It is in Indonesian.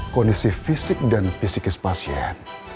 kondisi fisik dan psikis pasien